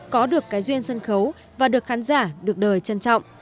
có được cái duyên sân khấu và được khán giả được đời trân trọng